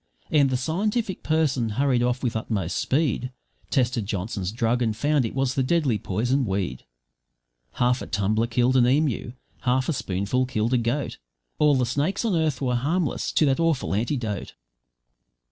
And the scientific person hurried off with utmost speed, Tested Johnson's drug and found it was a deadly poison weed; Half a tumbler killed an emu, half a spoonful killed a goat, All the snakes on earth were harmless to that awful antidote.